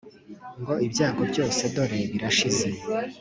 ngo ibyago byose dore birashize